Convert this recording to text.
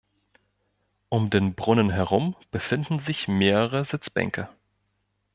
Um den Brunnen herum befinden sich mehrere Sitzbänke.